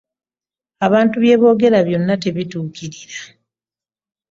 Abantu byebogera byonna tebitukirira .